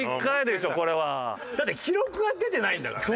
だって記録が出てないんだからね。